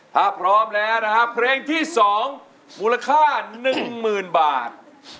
ถ้าพร้อมแล้วนะครับเพลงที่๒มูลค่า๑๐๐๐บาท